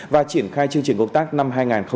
và triển khai chương trình công tác năm hai nghìn hai mươi